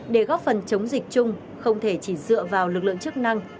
để góp phần chống dịch chung không thể chỉ dựa vào lực lượng chức năng